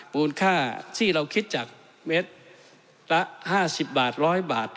มูลค่าที่เราคิดจากเม็ดละ๕๐บาท๑๐๐บาท